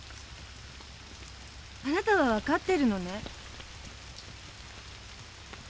あなたは分かってるのね？